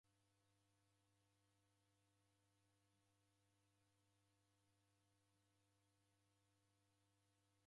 Kufuma ushoghonolo ni igare orarishwa w'ughangenyi W'esu.